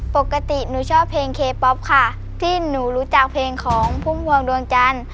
ปกติหนูชอบเพลงเคป๊อปค่ะที่หนูรู้จักเพลงของพุ่มพวงดวงจันทร์